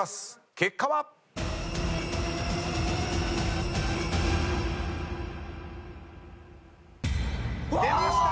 結果は⁉フォ！出ました！